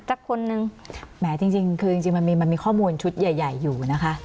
จักรคนนึงแหมจริงจริงคือจริงจริงมันมีมันมีข้อมูลชุดใหญ่ใหญ่อยู่นะคะ